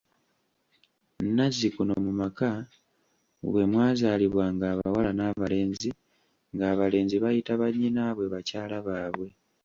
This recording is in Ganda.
Nnazzikuno mu maka bwe mwazaalibwanga abawala n’abalenzi, ng’abalenzi bayita bannyinaabwe bakyala baabwe.